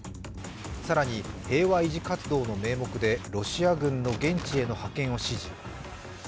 更に、平和維持活動の名目でロシア軍の現地への派遣を指示。